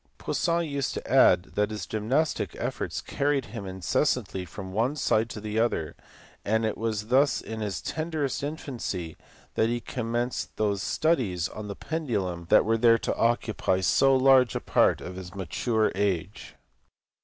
Poisson used to add that his gymnastic efforts carried him incessantly from one side to the other, and it was thus in his tenderest infancy that he commenced those studies on the pendulum that were to occupy so large a part of his mature age.